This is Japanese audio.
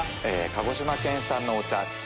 鹿児島県産のお茶。